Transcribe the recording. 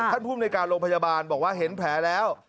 ภูมิในการโรงพยาบาลบอกว่าเห็นแผลแล้ว